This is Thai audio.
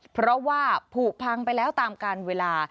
เพราะว่าผูกพังไปแล้วตามการเวลา